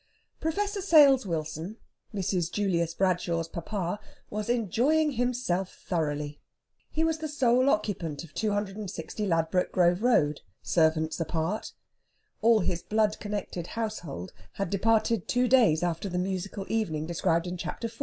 Professor Sales Wilson, Mrs. Julius Bradshaw's papa, was enjoying himself thoroughly. He was the sole occupant of 260, Ladbroke Grove Road, servants apart. All his blood connected household had departed two days after the musical evening described in Chapter XL.